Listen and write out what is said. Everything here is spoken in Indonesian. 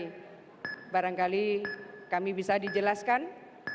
jadi barangkali kami bisa dijelaskan apa yang terjadi